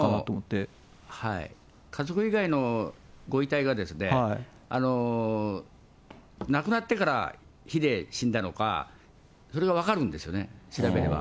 それは家族以外のご遺体が、亡くなってから火で死んだのか、それが分かるんですよね、調べれば。